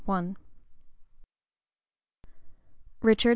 ] RICHARD II.